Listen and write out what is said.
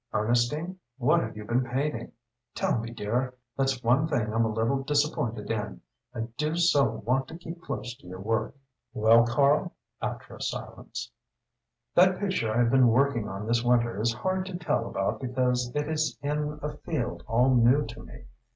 "Ernestine, what have you been painting? Tell me, dear. That's one thing I'm a little disappointed in. I do so want to keep close to your work." "Well, Karl," after a silence, "that picture I have been working on this winter is hard to tell about because it is in a field all new to me.